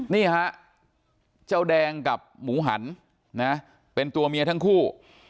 นี่ฮะเจ้าแดงกับหมูหันนะเป็นตัวเมียทั้งคู่